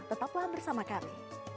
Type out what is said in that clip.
tetaplah bersama kami